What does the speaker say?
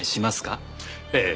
ええ。